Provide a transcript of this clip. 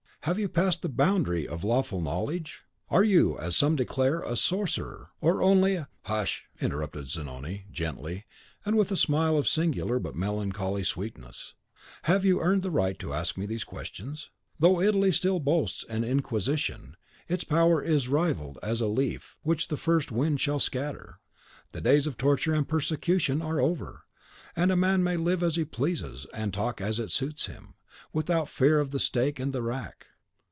Have you passed the boundary of lawful knowledge? Are you, as some declare, a sorcerer, or only a " "Hush!" interrupted Zanoni, gently, and with a smile of singular but melancholy sweetness; "have you earned the right to ask me these questions? Though Italy still boast an Inquisition, its power is rivelled as a leaf which the first wind shall scatter. The days of torture and persecution are over; and a man may live as he pleases, and talk as it suits him, without fear of the stake and the rack.